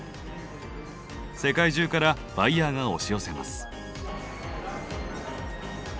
世界中からバイヤーが押し寄せます。